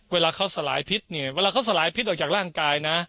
เวลาเขาสลายพิษเนี่ยเวลาเขาสลายพิษออกจากร่างกายนะ